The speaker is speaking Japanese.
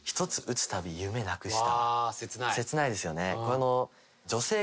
切ないですよね。